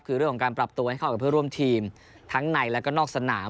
คือเรื่องของการปรับตัวให้เข้ากับเพื่อร่วมทีมทั้งในแล้วก็นอกสนาม